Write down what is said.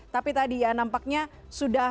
tapi tadi ya nampaknya sudah